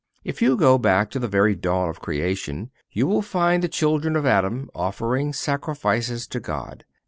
If you go back to the very dawn of creation, you will find the children of Adam offering sacrifices to God.